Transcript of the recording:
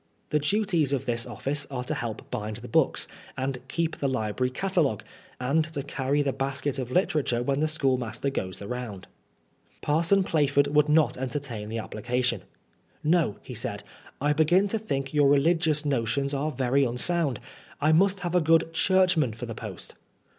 The duties of this office are to help bind the books and keep the library catalogue, and to carry Uie basket of literature when the schoolmaster goes the round. Parson Plaf ord would not entertain the application. " No," he said, " I begin to think your religious notions are very unsound. I must have a good Churchman for the post."